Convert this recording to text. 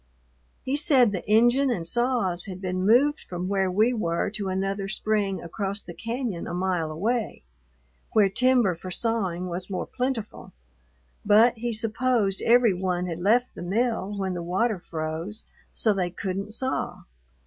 He said the engine and saws had been moved from where we were to another spring across the cañon a mile away, where timber for sawing was more plentiful, but he supposed every one had left the mill when the water froze so they couldn't saw.